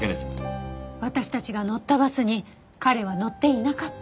私たちが乗ったバスに彼は乗っていなかった。